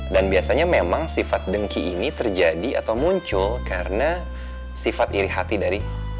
dan biasanya memang sifat dengki ini terjadi atau muncul karena sifat iri hati dari orang lain